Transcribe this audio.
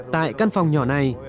tại căn phòng nhỏ này